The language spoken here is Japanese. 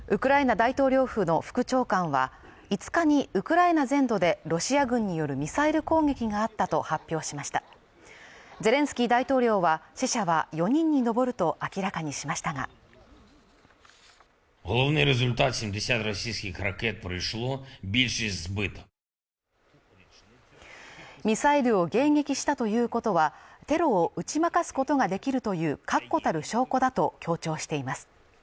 大統領府の副長官は５日にウクライナ全土でロシア軍によるミサイル攻撃があったと発表しましたゼレンスキー大統領死者は４人に上ると明らかにしましたがミサイルを迎撃したということはテロを打ち負かすことができるという確固たる証拠だと強調しています